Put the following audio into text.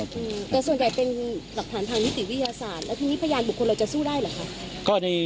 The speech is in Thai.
แต่ส่วนใหญ่เป็นหลักฐานทางนิติวิทยาศาสตร์แล้วทีนี้พยานบุคคลเราจะสู้ได้เหรอคะ